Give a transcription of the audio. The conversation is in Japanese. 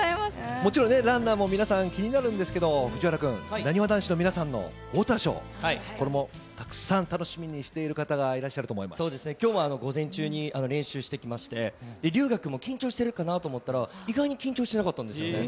もちろんね、ランナーも皆さん気になるんですけど、藤原君、なにわ男子の皆さんのウォーターショー、これもたくさん楽しみにしている方がいらっしゃると思いそうですね、きょうも午前中に練習してきまして、龍芽君も緊張してるかなと思ったら、意外に緊張してなかったんですよね。